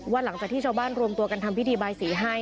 ว่าหลังจากที่ชาวบ้านรวมตัวกันทำพิธีบรรยาย๔๕